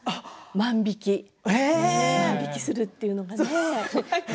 万引きするっていうのはね。